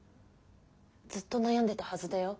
ずっと悩んでたはずだよ？